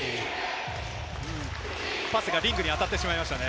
パスがリングに当たってしまいましたね。